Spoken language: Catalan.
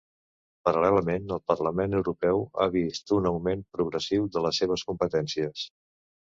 Paral·lelament, el Parlament Europeu ha vist un augment progressiu de les seves competències.